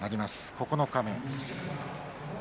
九日目。